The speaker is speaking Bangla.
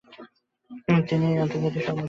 তিনি আন্তর্জাতিক সমর্থন পান।